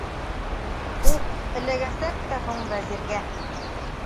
Ух, эләгәсәк тә һуң Вәзиргә!